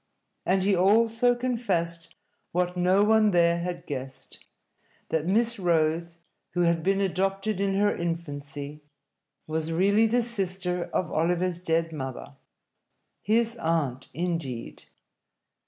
And he also confessed what no one there had guessed: that Miss Rose, who had been adopted in her infancy, was really the sister of Oliver's dead mother his aunt, indeed.